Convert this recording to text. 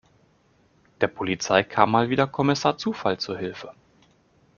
Der Polizei kam mal wieder Kommissar Zufall zur Hilfe.